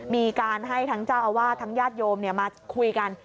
มีการให้ทั้งเจ้าอาวาสทั้งญาติโยมมาคุยกัน